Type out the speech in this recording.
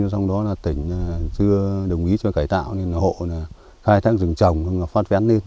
trong đó là tỉnh chưa đồng ý cho cải tạo nên là hộ là hai tháng rừng trồng phát vén lên